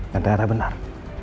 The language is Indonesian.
dan ternyata benar